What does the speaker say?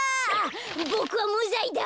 ボクはむざいだ。